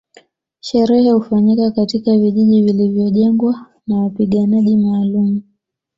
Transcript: Sherehe hufanyika katika vijiji vilivyojengwa na wapiganaji maalumu